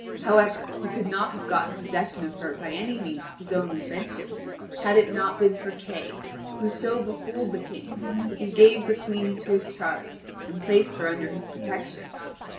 However, he could not have gotten possession of her by any means of his own invention, had it not been for Kay, who so befooled the King that he gave the Queen into his charge and placed her under his protection.